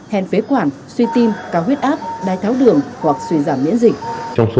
hèn phế quản suy tim cao huyết áp đai tháo đường hoặc suy giảm miễn dịch